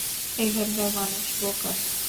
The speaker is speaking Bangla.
এখাকার মানুষ বোকা!